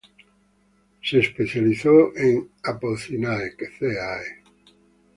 Se especializó en Apocynaceae.